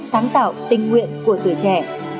sáng tạo tinh nguyện của tuổi trẻ